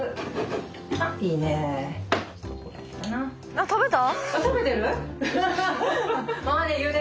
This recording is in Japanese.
あっ食べた！？